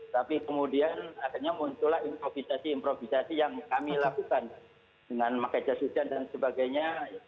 tapi kemudian akhirnya muncullah improvisasi improvisasi yang kami lakukan dengan maka jasudian dan sebagainya